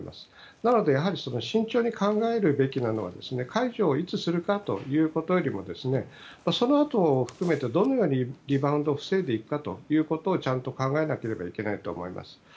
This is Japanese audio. なので、やはり慎重に考えるべきなのは解除をいつするかということよりもそのあとを含めてどのようにリバウンドを防いでいくかということをちゃんと考えなければいけないと思います。